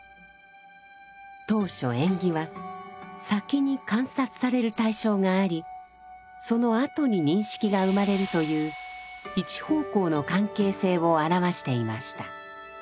当初縁起は先に観察される対象がありそのあとに認識が生まれるという一方向の関係性を表していました。